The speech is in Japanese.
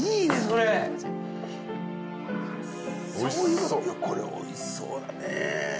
これおいしそうだね。